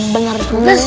bener juga sih